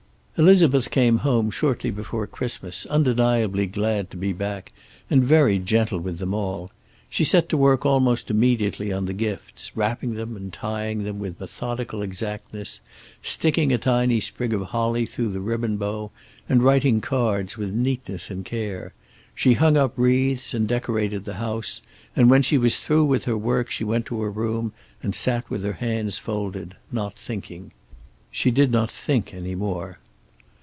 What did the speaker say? Elizabeth came home shortly before Christmas, undeniably glad to be back and very gentle with them all. She set to work almost immediately on the gifts, wrapping them and tying them with methodical exactness, sticking a tiny sprig of holly through the ribbon bow, and writing cards with neatness and care. She hung up wreaths and decorated the house, and when she was through with her work she went to her room and sat with her hands folded, not thinking. She did not think any more.